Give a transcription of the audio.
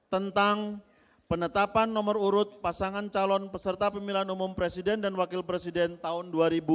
tentang penetapan nomor urut pasangan calon peserta pemilihan umum presiden dan wakil presiden tahun dua ribu sembilan belas